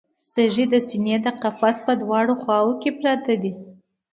سږي د سینې د قفس په دواړو خواوو کې پراته دي